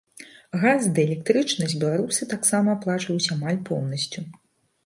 Газ ды электрычнасць беларусы таксама аплачваюць амаль поўнасцю.